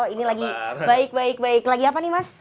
ini lagi baik baik lagi apa nih mas